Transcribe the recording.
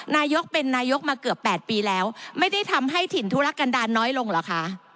นายกเป็นนายกมาเกือบ๘ปีแล้วไม่ได้ทำให้ถิ่นธุรกันดาลน้อยลงเหรอคะ